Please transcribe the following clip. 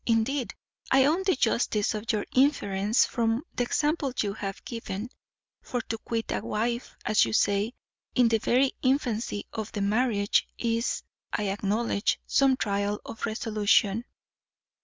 Indeed, I own the justice of your inference from the example you have given; for to quit a wife, as you say, in the very infancy of marriage, is, I acknowledge, some trial of resolution."